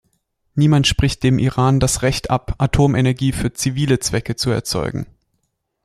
Niemand spricht dem Iran das Recht ab, Atomenergie für zivile Zwecke zu erzeugen.